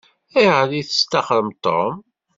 Ayɣer i testaxṛem Tom?